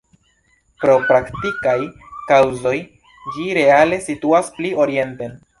Pro praktikaj kaŭzoj ĝi reale situas pli orienten.